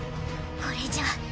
これじゃ。